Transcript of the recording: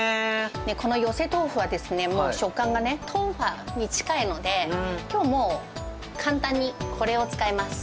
この寄せ豆腐はですね、もう食感がね、トウファに近いので、きょうも簡単にこれを使います。